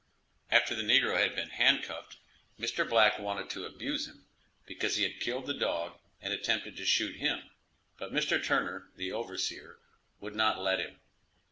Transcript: After the negro had been handcuffed, Mr. Black wanted to abuse him, because he had killed the dog, and attempted to shoot him, but Mr. Turner, the overseer, would not let him.